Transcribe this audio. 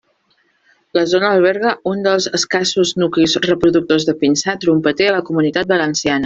La zona alberga un dels escassos nuclis reproductors de pinsà trompeter a la Comunitat Valenciana.